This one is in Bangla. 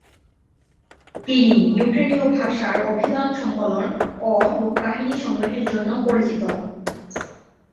তিনি ইউক্রেনীয় ভাষার অভিধান সংকলন ও লোককাহিনী সংগ্রহের জন্য পরিচিত।